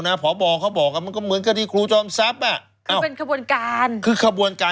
นี่แหละครับคือขบวนการ